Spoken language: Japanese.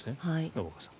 信岡さん。